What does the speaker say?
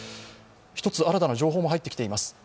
１つ新たな情報も入ってきています。